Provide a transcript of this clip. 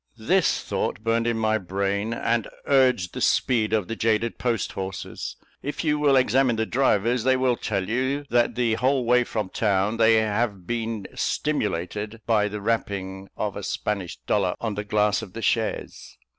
This thought burned in my brain, and urged the speed of the jaded post horses. If you will examine the drivers, they will tell you, that the whole way from town, they have been stimulated by the rapping of a Spanish dollar on the glass of the chaise.